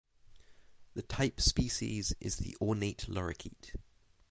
The type species is the ornate lorikeet.